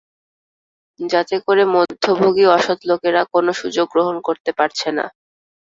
যাতে করে মধ্যভোগী অসত্ লোকেরা কোনো সুযোগ গ্রহণ করতে পারছে না।